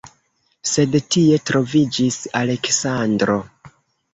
Sed tie troviĝis Aleksandro.